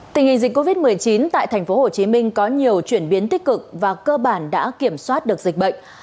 tình hình dịch covid một mươi chín tại tp hcm có nhiều chuyển biến tích cực và cơ bản đã kiểm soát được dịch bệnh